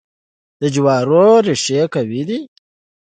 د جوارو ریښې قوي دي.